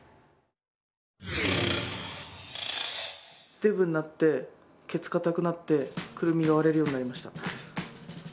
デブになってケツ硬くなってくるみが割れるようになりました。